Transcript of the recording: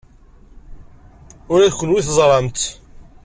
Ula d kenwi teẓram-tt.